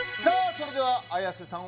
それでは綾瀬さん